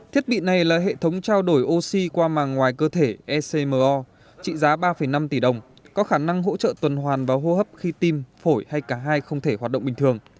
thiết bị này là hệ thống trao đổi oxy qua màng ngoài cơ thể ecmo trị giá ba năm tỷ đồng có khả năng hỗ trợ tuần hoàn và hô hấp khi tim phổi hay cả hai không thể hoạt động bình thường